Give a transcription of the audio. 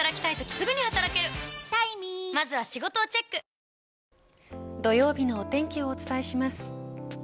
ぷはーっ土曜日のお天気をお伝えします。